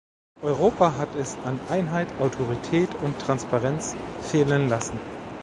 Europa hat es an Einheit, Autorität und Transparenz fehlen lassen.